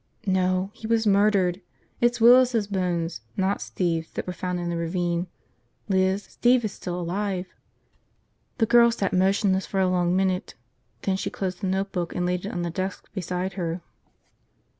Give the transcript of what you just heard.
"No. He was murdered. It's Willis' bones, not Steve's that were found in the ravine. Liz, Steve is still alive!" The girl sat motionless for a long minute. Then she closed the notebook and laid it on the desk beside her.